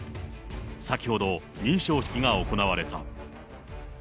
先ほど、認証式が行われた。